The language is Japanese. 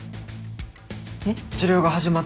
えっ？